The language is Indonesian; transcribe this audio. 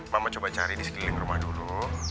mama coba cari di sekeliling rumah dulu